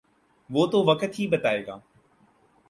وہ تو وقت ہی بتائے گا۔